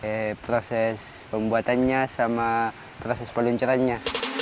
dari proses pembuatannya sama proses peluncurannya